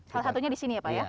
salah satunya di sini ya pak ya